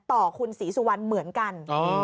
ต่อคุณศรีสุวรรณเหมือนกัน